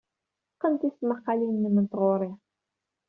Qqen tismaqqalin-nnem n tɣuri.